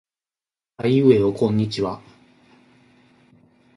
あいうえおこんにちは。